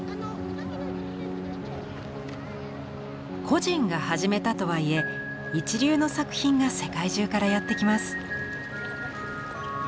個人が始めたとはいえ一流の作品が世界中からやって来ます。